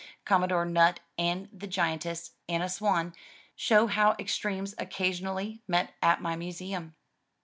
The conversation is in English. Commodore Nutt and the giantess, Anna Swan, show how extremes occasionally met at my Museum.